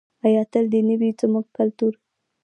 آیا تل دې نه وي زموږ کلتور؟